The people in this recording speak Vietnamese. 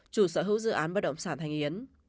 chủ sở hữu dự án bất động sản thành yến